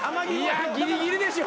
いやギリギリでしょ。